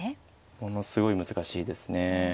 ものすごい難しいですね。